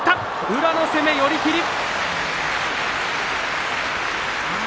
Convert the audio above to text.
宇良の攻め、寄り切り。